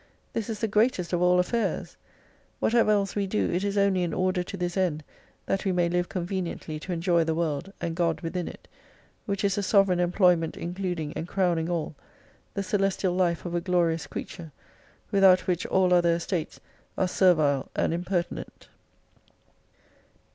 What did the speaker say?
This is the greatest of all affairs. Whatever else we do, it is only in order to this end that we may live con veniently to enjoy the world, and God within it ; which is the sovereign employment including and crowning all : the celestial life of a glorious creature, without which all other estates are servile and imper tinent.